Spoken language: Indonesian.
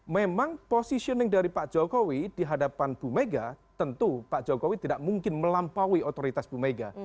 memang positioning dari pak jokowi di hadapan bu mega tentu pak jokowi tidak mungkin melampaui otoritas bumega